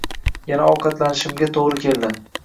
Yana ovqatlanishimga to‘g‘ri keldi